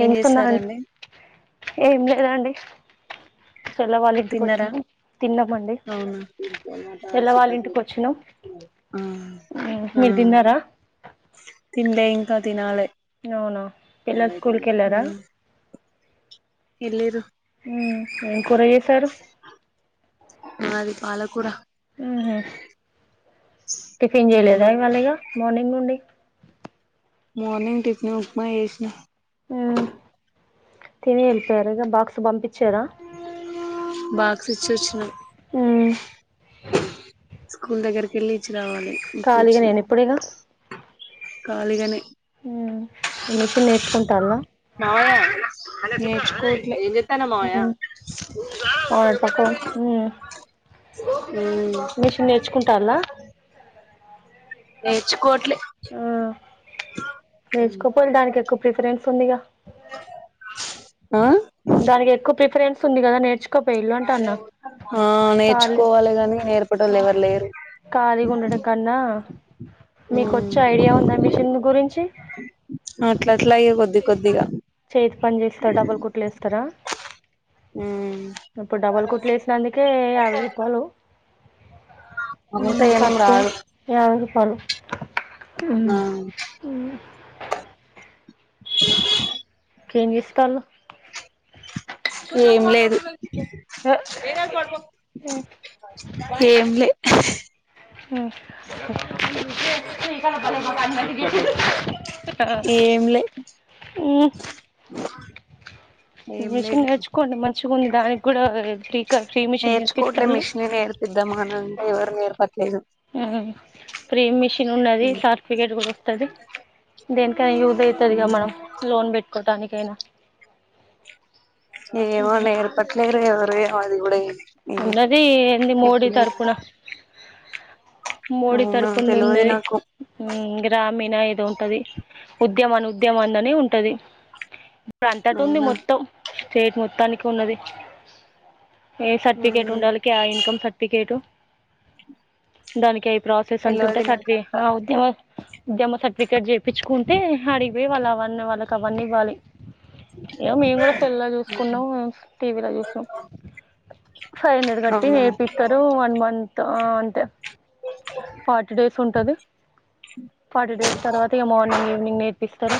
ఏం ఎంచకున్నా నండి చేస్తారండి ఏం లేదండి చెల్ల వాళ్ళ ఇంటికి తిన్నరా వచ్చినాం తిన్నామండి అవును చెల్ల వాళ్ళ ఇంటికి వచ్చినాం హా ఆ మీరు తిన్నారా తిన్లే ఇంకా తినాల అవునా పిల్ల స్కూల్ క వెళ్ళారా ఎల్లిరు హుం ఏం కూరయ్యసారు మాది పాలకూర టిఫిన్ అవును చేయలేదా మాలేగా మార్నింగ్ నుండి మోర్నింగ్ టిఫన్ ఉప్మా చేసినా ఉమ్ తిని వెళ్ళిపోయారు ఇగ బాక్స్ పంపి బాక్స్ ఇచ్చొచ్చిన మ్మ్. స్కూల్ దగ్గరకెళ్లి ఇచ్చి రావాలి ఇచ్చి ఖాళీగా వచ్చిన నేను ఇప్పుడిగా ఖాళీగానే ఉమ్ మిషిన్ నేర్చుకుంటందా ఆ నేర్చుకోవట్లే వత్తన మామయ్య మ్మ్. వాడి పక్క మ్మ్. ఉమ్ మిషన్ నేర్చుకుంటాలా నేర్చుకోవట్లే ఆ నేర్చుకోపోలి దానికి ఎక్కువ ప్రిఫరెన్స్ ఉందిగా ఆ దానికి ఎక్కువ ప్రిఫరెన్స్ ఉంది కదా నేర్చు ఆ ఖాళీ నేర్చుకోవాలి గాని నేర్పెటోళ్ళు ఎవరు లేరు ఖాళీగా ఉండడం కన్నా మీకు వచ్చే ఐడియా ఉందా మిషన్ గురించి అట్లా అట్లా ఇగ కొద్ది కొద్దిగా చేతి పని చేస్తారా డబుల్ కుట్లు వేస్తారా ఇప్పుడు డబల్ కుట్లు వేసినందుకే యాభై రూపాయలు అంతా ఉమ్ ఏం కరెక్టే రాదు యాబై రూ తాలు ఉమ్ ఆ ఉమ్ ఇంకేం చేస్తాళ్ళు ఏం లేదు ఏం కాదు పడుకో ఏం లే హా ఏం లే ఆ ఊ ఏం మిషన్ లేదు నేర్చుకోండి మంచిగా ఉంది దానికి కూడా ఫ్రీ ఫ్రీ మిషన్ నేర్చుకోట్లే నేర్పిస్తాళ్ళు మిషనే నేర్పిద్దామానంటే ఎవరు నేర్పట్లేదు ఊ ప్రీ మిషన్ ఉన్నది సర్టిఫికేట్ గుడా వస్తది దేనికైనా యూజ్ అయితాది గా మనం లోన్ పెట్టుకోటానికైనా ఏమో నేర్పట్లేరె ఎవరు అది గూడా ఏమ్ ఉన్నది ఏంది మోడీ తరపున మోడీ అవునా తరపున తెలవదు ఉన్నది నాకు ఇం గ్రామీణ ఏదో ఉంటది ఉద్యమాను ఉద్యమాన్ అని ఉంటది ఇప్పుడు అంతటి ఉంది అవునా మొత్తం స్టేట్ మొత్తానికి కున్నది ఏస్ సర్టిఫికెట్ ఉండల్లకి ఆ ఇన్ కమ్ సర్టిఫికేట్ దానికె ప్రాసెస్ అంత తెలవదు ఉంటయ్ నాకు అంత [unintelligible] జెమ్మ సర్టిఫికేట్ జేపిచ్చుకుంటే హడిగిబోయ్ వాళ్ళు అవన్నీ వాళ్ళకి అవన్నీ ఇవ్వాలి ఏమో మేము గుడా సెల్లొ జూసుకున్నాం టీవీలో జూసినం ఫైవ్ హండ్రెడ్ గట్టి అవునా నేర్పిస్తారు వన్ మంత్ ఆ అంటే ఫార్టీ డేస్ ఉంటది ఫార్టీ డేస్ తర్వాత ఇగ మార్నింగ్ ఈవినింగ్ నేర్పిస్తారు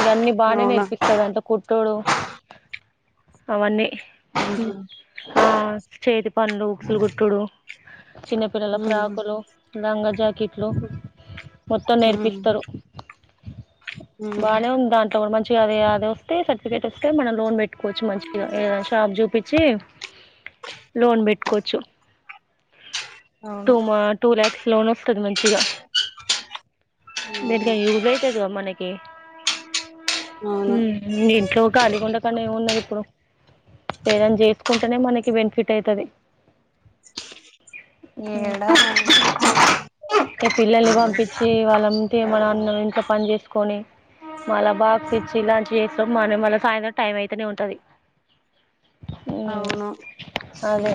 ఇగ అన్ని బానే అవునా నేర్పిస్తది అంట కుట్టుడు అవన్నీ ఆ చేతి పండ్లు ఉక్సులుగుట్టుడు చిన్న పిల్లల ఫ్రాకులు లంగా జాకెట్లు మొత్తం నేర్పిస్తారు బానే ఉంది దాంట్లో గూడా మంచిగా అదే అది వస్తే సర్టిఫికేట్ వస్తే మనం లోన్ బెట్ట్ కొచ్చు మంచిగా ఏదన్న షాప్ జూపిచ్చి లోన్ బెట్టుకోచ్చు టూ అవును మా టూ ల్యాక్ స్లోన్ వస్తది మంచిగా అవును దేటికై యూజ్ అయితది గదా మనకి ఊ ఉ ఇంట్లో ఖాళీగుండ కన్నా ఏమున్నది ఇప్పుడు ఏదన్న జేస్ కుంటనే మనకి బెనిఫిట్ అయితది ఏడా ఇగ పిల్లల్ని పంపించి వాళ్ళంటే మన అన్నం ఇంట్లో పని జేసుకొని మళ్ళా బాక్స్ ఇచ్చి లంచ్ చేస్తాం మనం మళ్ళా సాయంత్రం టైం అయితేనే ఉంటది అవును ఉ అదే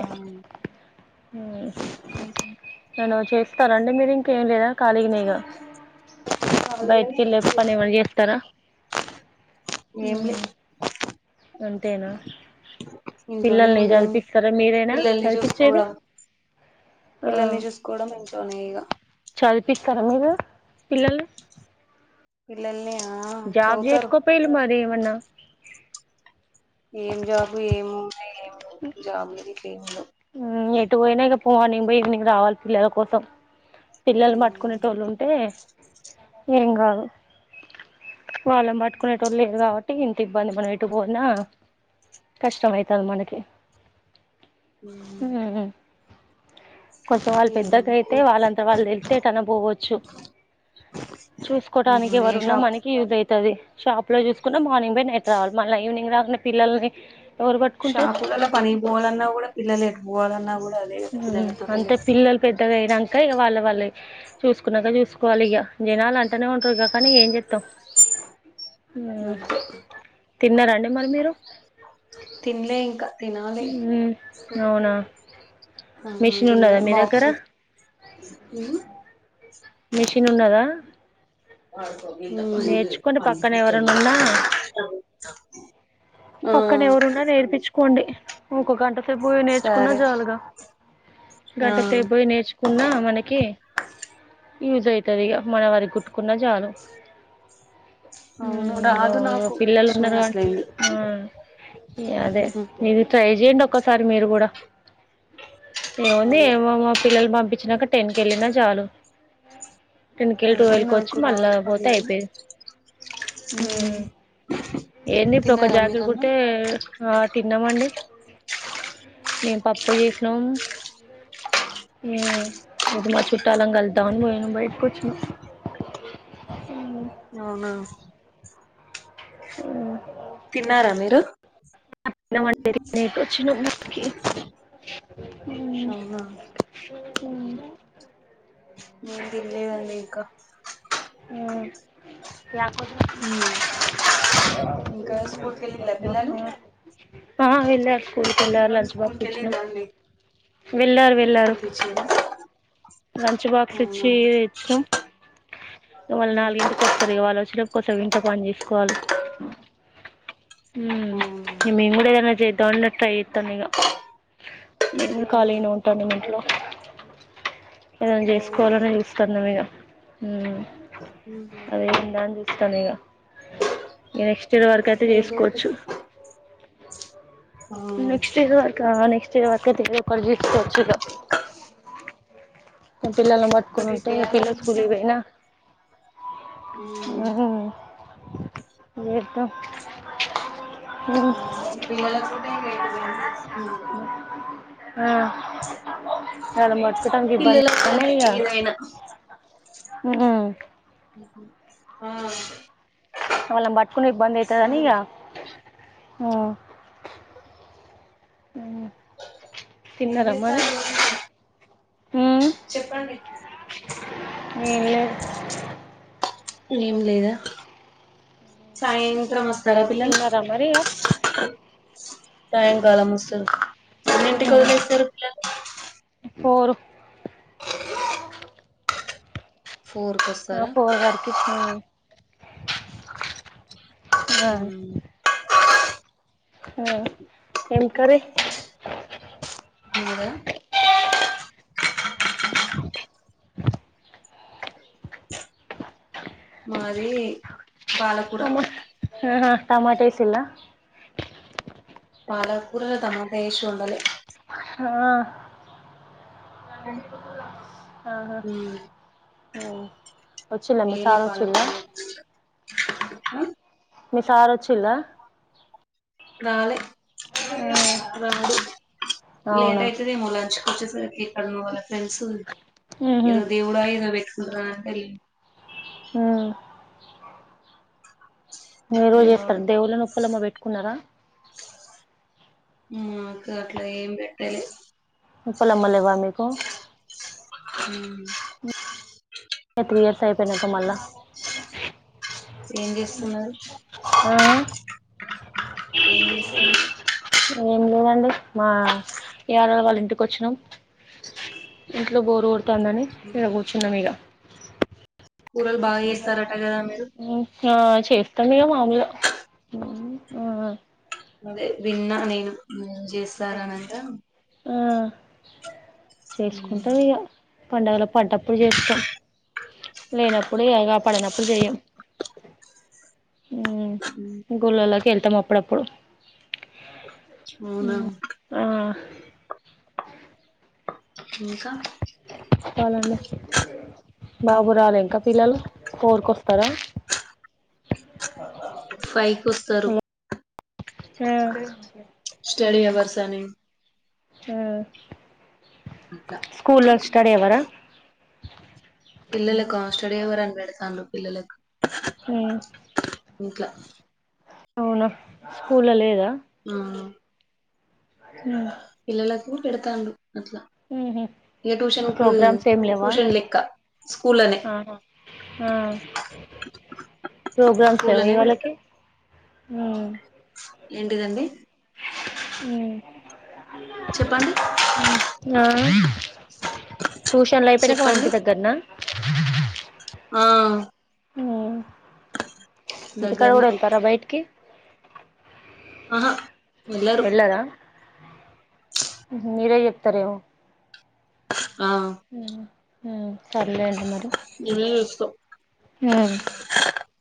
ఊ చేస్తార అండి మీరు ఇంకేం లేదా ఖాళీగనే ఇగా ఖాళీగానే బయటికెళ్ళే ఏం లేదు పని ఏమన్నా జేస్తారా ఆ ఏం లే అంతేనా ఇంట్లోనే పిల్లల్ని ఉండడం జదివిపిస్తారా మీరేనా పిల్లల్ని చదివిపిచ్చేది చూసుకోవడం పిల్లల్ని జూసుకోవడం ఇంట్లోనే ఇగ త్తర మీరు పిల్లల్ని పిల్లల్నీ జబ్ చేసుకో పొయిలు మరి ఏమన్న ఏం జాబు ఏమున్నాయ్ ఏం వుండవ్ జాబ్లం గిట్ల ఏముండవ్ ఉ ఎటు బోయినా ఇగ ఫొ మార్నింగ్ ఈవినింగ్ రావాలి పిల్లల కోసం పిల్లల్ని పట్టుకునేటోళ్ళు ఉంటే ఏం గాదు వాళ్ళన్ బట్టుకునేటోళ్ళు లేరు కాబట్టి ఇంత ఇబ్బంది మనం ఎటు పోయినా కష్టమైతాది మనకి ఉ కొంచెం వాళ్ళు పెద్దగా అయితే వాళ్ళంతా వాళ్ళు వెళ్తే ఎటన్న పోవచ్చు చూసుకోటానికి ఏ ఎవరున్నా షాప్ మనకి యూజ్ అయితాది షాప్ లో జూసుకున్నా మార్నింగ్ బొయ్ నైట్ రావాలి మళ్ళీ ఈవినింగ్ రాకునే పిల్లల్ని ఎవరు పట్టుకుంటారు షాపులలో పనికి పోవాలన్నా గూడా పిల్లలు ఎత్తుకుబోవాలన్నా గుడా ఉ అంతే పిల్లలు పెద్దగయ్యేదాంక ఇగ వాళ్ళ వాళ్ళవి చూసుకున్నాక చూసుకోవాలి ఇక జనాలు అంటానే ఉంటారు ఇగ కానీ ఏం జేత్తావ్ తిన్నార అండి మరి మీరు తినలే ఇంకా తినాలి మ్ హు అవునా ఆ మిషన్ తిన్ల ఉన్నదా మీ బాక్స్ దగ్గర? ఉ మిషిన్ ఉన్నదా నేర్చుకోండి పక్కన ఎవరైనా ఉన్నా ఉమ్ పక్కన ఎవరున్నా నేర్పించుకోండి. ఇంకో గంట సేపో నేర్చుకున్నా సరే జాలుగా ఆ గంట సేపు పోయి నేర్చుకున్న మనకి యూజ్ అయితదిగ మన వరి గుట్టుకున్న చాలు అవును రాదు ఊమ్ నాకు పిల్లలు కృష్ణ ఉన్నారు కాట్ అసలేంది ఉ అదే నది ట్రై చేయండి ఒక్కసారి మీరు కూడా ఏముంది అదే ఏమో మా పిల్లలు పం పిచ్చినక టెన్కి వెళ్ళినా చాలు టెన్కెళ్ళి అదే టువెల్ క వచ్చి మళ్ళా పోతే అయిపోయిది. ఊ ఏంది ఇప్పుడు ఒక జాకెట్ కుడితే ఆ తిన్నామండి మేము పప్పు చేసినాం. ఇటు మా చుట్టాలను కలుద్దాం అని పోయినం బయటకి వచ్చిన అవునా ఆ తిన్నారా మీరు తినమంటే తినేసి వచ్చినారా ఇటికి అవునా ఊమ్ దా నేన్ తిన్లేదండి ఇంకా ఇంకా స్కూల్ కి వెళ్ళిలా పిల్లలు కు ఆ వెళ్ళారు స్కూల్కి వెళ్ళారు. పిల్లలు లంచ్ స్కూల్ బాక్స్ కి ఇచ్చినం. వెళ్ళిరా అండి వెళ్ళారు వెళ్ళారు పంపించిరా లంచ్ బాక్స్ అవునా ఇచ్చి ఇచ్చినం. ఇ వాళు నాలుగు ఇంటికి కొత్తారు ఇగ వాళ్ళచ కోసం ఇంట్లో పని చేసుకోవాలి ఆ ఉ మేం కూడ ఇయాల చేద్దాం అని ట్రై ఇతనుగ మేం కూడా ఖాలీ అయినా ఉంటాను ఇంట్లో ఏదైనా అవును చేసుకోవాలని చూస్తన్నాం ఇక అదేందా అని తనేగా ఇ నెక్స్ట్ ఇయర్ వరక అయితే ఏదో చేసుకోవచ్చు. ఒకటి నెక్స్ట్ ఇయర్ వరకు నెక్స్ట్ ఇయర్ వరకు అయితే కడ జేసుకోవచ్చు ఇక పిల్లలను పట్టుకొని ఒకటి ఉంటే పిల్లలు స్కూల్ చేయాలనుకున్నా కి పోయినా ఉహు ఇత పిల్లలకు [unintelligible] ఆ నన్ను పట్టుకోడానికి పిల్లల వల్లనే ఇలా ఏదైనా ఉహు ఆ వాళ్ళను బట్కునికి ఇబ్బందయితదనిగ హ ఉ ఏం చేస్తారు మ్మ్ చెప్పండి ఏం లేద్ ఏమి లేదా సాయంత్రం వస్ తిన్నరా మరీగా సాయంకాలం వస్తురు ఎన్ని ఇంటి మ్మ్ కదిలేస్తారు పిల్లలు ఎలా ఫోర్ కి ఆ వస్తారా పోర్ వర్కికి ఆ ఇంకాే మూడు మాది పాలకూర టమా ఆహా టమాటో వస్లా పాలకూరల తమ దేష ఉండలే ఆ అ ఆహా వచ్చిల మీ సార్ వచ్చిలా హ మీ సార్ొచ్చిలా రాలే రాల లేట్ అవునా అవుతుదేమో లంచ్ వచ్చేస కడ వాళ్ళ ఫ్రెండ్స్ మ్మ్ హు ఏదో దేవుడా ఏదో పెట్టుకురా అంటళ్లి హ మీరుోజ లే చేస్తారు రాడు దేవుళ్ళ నొప్పలమ్మ పెట్టుకున్నారా మాకు అట్లా ఏం పెట్టాలి ఇప్పులమ్మలవా మీకు అ త్రీఇయర్స్ చేేం చేస్తున్నారు ఆ ఏం చేస్తాం ఏం లేదండి మా ఏడళ వాళ్ళ ఇంటికి వచ్చినం ఇంట్లో బోరు కొడుత ఉంటందని ఎర కూర్చున్నాం మీక కూరలు బాగా చేస్తారట కదా మీరు ఆ చేస్తాం మాముూలు ఆ అదే విన్నా నేను ఏం చేస్తార అనంతా చేసుకుంటాం ఇక పండగలో పడ్ంటప్పుడు చేస్తాం లేనప్పుడు ఎగా పడినప్పుడు చె్య ఉ గుళ్ళల్లోకి వెళ్తాం అప్పుడప్పుడు అవునా ఆ ఇంకా చాలండి బాబు రాలే ఇంకా పిల్లలు కోరిక వస్తారా పైకి వస్తారు ఆ సని ఆ అట్లా స్కూల్లో స్టడ ఎవరా పిల్లలకు స్టడీ ఎవరని పెడతాను పిల్లలకు ఇంకా అవునా స్కూల్ లేదా ఆ పిల్లలకు పెడతాడు అట్లా ఉహు ఏం ట్యూషన్ కు ప్రోగ్రామ్స్ ఏం లేవా ట్యూషన్ లెక్క స్కూల్ అనే ఆహా ఆ ప్రోగ్రామ్స్ ఏవ స్కూల్లోనే వాళ్ళాకి పెడతారు ఏంటిదండి ఉమ్ చెప్పండి ఆ ట్యూషన్లు అయిపోయినాక మళ చెప్పండి ఇంటి దగ్గరనా ఆ ఉమ్ ఇంటికాడా దగ్గరనే కూడా వెళ్తారా బయటికి ఆహా వెళ్ళరు వేలార మీరే చెప్తార్ ఏమో ఆ ఉమ్ ఉమ్ సర్లేండి మరి మేమే చూసుకో ఉమ్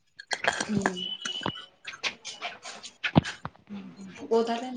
హ్మ్ [inaudible]